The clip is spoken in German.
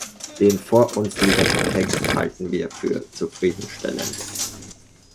Den vor uns liegenden Text halten wir für zufriedenstellend.